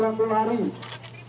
baru juru yang mut